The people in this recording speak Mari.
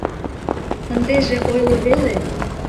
Ындыже ойло веле!